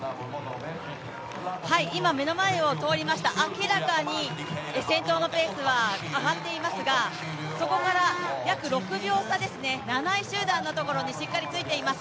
今目の前を通りました明らかに先頭のペースは上がっていますが、そこから、約６秒差、７位集団のところにしっかりついています